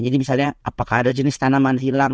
misalnya apakah ada jenis tanaman hilang